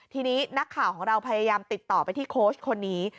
ทีนี้นักข่าวของเราพยายามติดต่อไปที่โค้ชคนนี้